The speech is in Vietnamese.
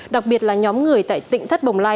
đặc biệt là nhóm người tại tỉnh thất bồng lai